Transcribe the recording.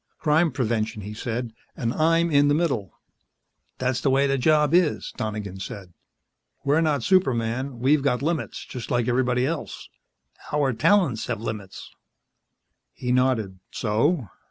"Crime prevention," he said. "And I'm in the middle." "That's the way the job is," Donegan said. "We're not superman. We've got limits, just like everybody else. Our talents have limits." He nodded. "So?"